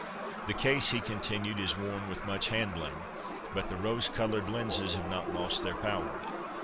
' The case,' he continued, ' is worn with much handling, but the rose coloured lenses have not lost their power.